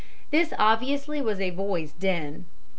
This obviously was a boy's "den."